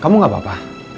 kamu gak apa apa